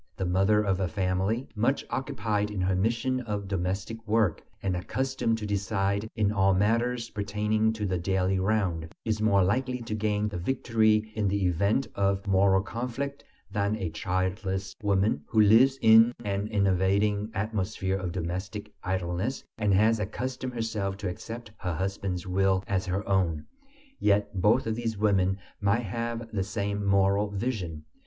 The mother of a family, much occupied in her mission of domestic work, and accustomed to decide in all matters pertaining to the daily round, is more likely to gain the victory in the event of moral conflict than a childless woman who lives in an enervating atmosphere of domestic idleness, and has accustomed herself to accept her husband's will as her own. Yet both of these women might have the same moral vision.